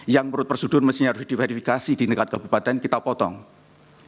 yang menurut prosedur yang harus diverifikasi di nekat kabupaten dan kemudian dianggap sebagai kemasyarakat